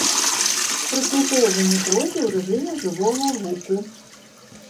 Праслухоўванне пройдзе ў рэжыме жывога гуку.